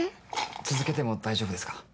続けても大丈夫ですか？